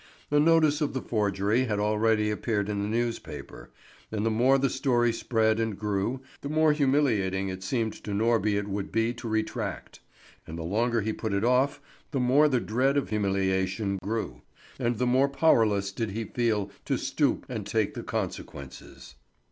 A notice of the forgery had already appeared in the newspaper, and the more the story spread and grew, the more humiliating it seemed to Norby it would be to retract; and the longer he put off, the more the dread of humiliation grew, and the more powerless did he feel to stoop and take the consequences.